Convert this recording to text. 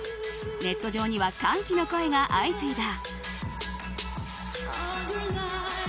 ネット上には歓喜の声が相次いだ。